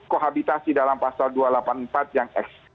pohabitasi dalam pasal dua ratus delapan puluh empat yang